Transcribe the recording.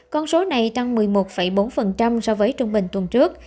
con số này tăng một mươi một bốn so với trung bình tuần trước